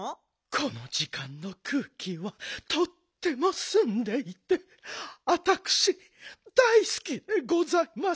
このじかんのくうきはとってもすんでいてあたくし大すきでございますのよ。